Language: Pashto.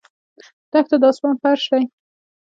دښته د آسمان فرش دی.